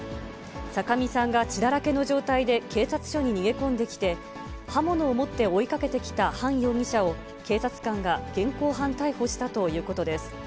酒見さんが血だらけの状態で警察署に逃げ込んできて、刃物を持って追いかけてきたハン容疑者を警察官が現行犯逮捕したということです。